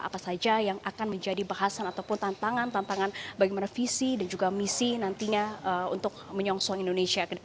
apa saja yang akan menjadi bahasan ataupun tantangan tantangan bagaimana visi dan juga misi nantinya untuk menyongsong indonesia